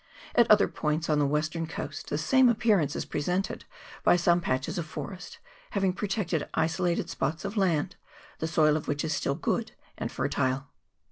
At other points on the western coast the same appearance is presented by some patches of forest having protected isolated spots of land, the soil of which is still good and fertile.